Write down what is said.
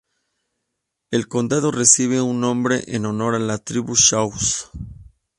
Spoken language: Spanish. El condado recibe su nombre en honor a la tribu Sauk.